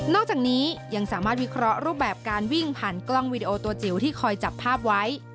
จากนี้ยังสามารถวิเคราะห์รูปแบบการวิ่งผ่านกล้องวีดีโอตัวจิ๋วที่คอยจับภาพไว้